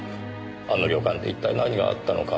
あの旅館で一体何があったのか